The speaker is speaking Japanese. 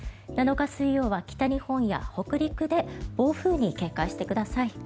７日、水曜は北日本や北陸で暴風に警戒してください。